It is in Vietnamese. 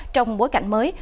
trong bối cảnh mới